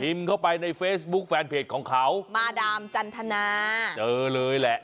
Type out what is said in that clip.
เข้าไปในเฟซบุ๊คแฟนเพจของเขามาดามจันทนาเจอเลยแหละ